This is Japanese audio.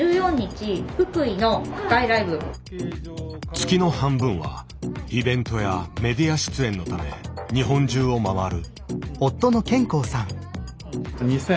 月の半分はイベントやメディア出演のため日本中を回る。